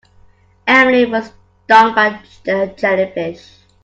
Emily was stung by a jellyfish.